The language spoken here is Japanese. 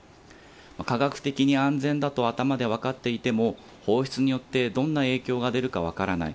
科学的に安全だと頭で分かっていても、放出によってどんな影響が出るか分からない。